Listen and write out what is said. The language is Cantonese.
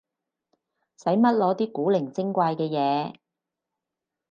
使乜攞啲古靈精怪嘅嘢